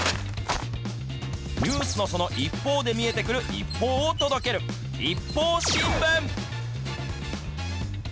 ニュースのその一方で見えてくる一報を届ける、ＩＰＰＯＵ新聞。